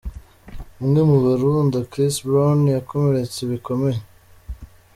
Umwe mu barunda Chris Brown yakomeretse bikomeye.